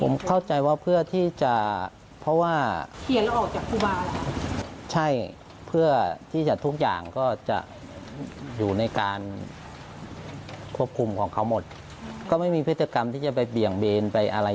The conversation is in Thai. นั่นคือเขาทำไมที่เรียกพ่ออารัย